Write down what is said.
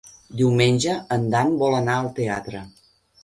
Diumenge en Dan vol anar al teatre.